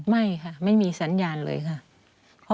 ไม่ค่ะไม่มีสัญญาณเลยค่ะ